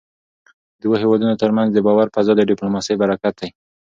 د دوو هېوادونو ترمنځ د باور فضا د ډيپلوماسی برکت دی .